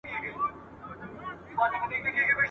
توند بادونه وای توپان وای ..